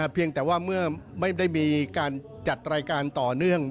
เพียงแต่ว่าเมื่อไม่ได้มีการจัดรายการต่อเนื่อง